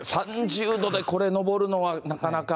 ３０度でこれ登るのは、なかなか。